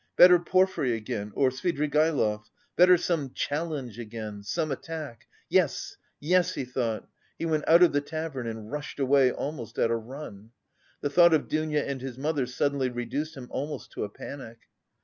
Better Porfiry again... or Svidrigaïlov.... Better some challenge again... some attack. Yes, yes!" he thought. He went out of the tavern and rushed away almost at a run. The thought of Dounia and his mother suddenly reduced him almost to a panic.